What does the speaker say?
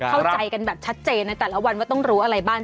เข้าใจกันแบบชัดเจนในแต่ละวันว่าต้องรู้อะไรบ้าง